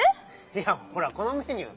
いやほらこのメニュー。